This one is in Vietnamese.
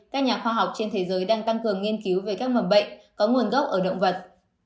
các nhà khoa học trên thế giới đang tăng cường nghiên cứu về các mầm bệnh có nguồn gốc ở động vật